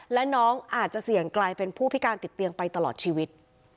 และน้องอาจจะเสี่ยงกลายเป็นผู้พิการติดเตียงไปตลอดชีวิต